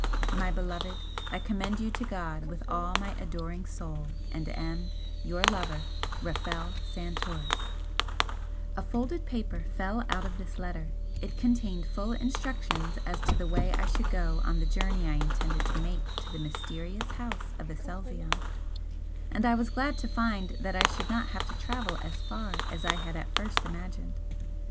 My beloved, I commend you to God with all my adoring soul and am Your lover, Rafel Santoris A folded paper fell out of this letter, it contained full instructions as to the way I should go on the journey I intended to make to the mysterious House of Aselzion and I was glad to find that I should not have to travel as far as I had at first imagined.